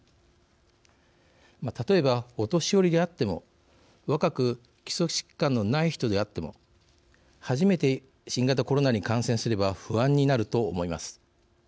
例えば、お年寄りであっても若く基礎疾患のない人であっても初めて新型コロナに感染すれば不安になると思います。